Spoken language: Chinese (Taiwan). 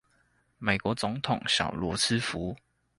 美國總統小羅斯福